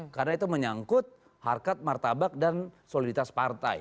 karena itu menyangkut harkat martabak dan soliditas partai